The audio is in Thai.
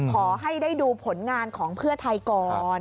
ขอให้ได้ดูผลงานของเพื่อไทยก่อน